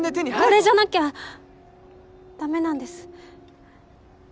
これじゃなきゃダメなんです。